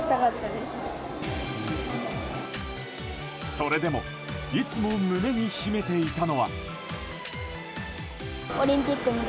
それでもいつも胸に秘めていたのは。